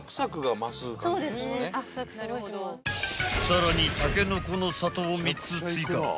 ［さらにたけのこの里を３つ追加］